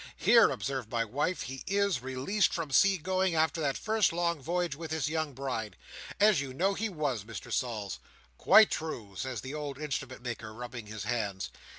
'Here,' observes my wife, 'he is, released from sea going, after that first long voyage with his young bride'—as you know he was, Mr Sols." "Quite true," says the old Instrument maker, rubbing his hands.